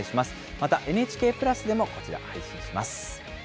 またＮＨＫプラスでもこちら、配信します。